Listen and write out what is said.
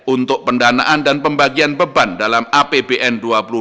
untuk pendanaan dan pembagian beban dalam apbn dua ribu dua puluh